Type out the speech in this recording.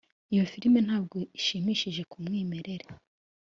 iyo firime ntabwo ishimishije nkumwimerere.